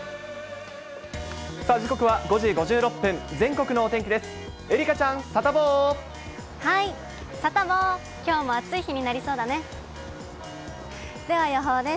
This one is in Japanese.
時刻は５時５６分、全国のお天気です。